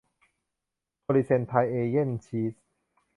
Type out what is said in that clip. โทรีเซนไทย เอเยนต์ซีส์